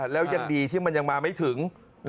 แล้วยังดีที่มันยังมาไม่ถึง